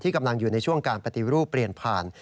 กำลังอยู่ในช่วงการปฏิรูปเปลี่ยนผ่าน